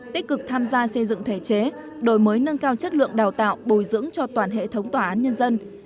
tích cực tham gia xây dựng thể chế đổi mới nâng cao chất lượng đào tạo bồi dưỡng cho toàn hệ thống tòa án nhân dân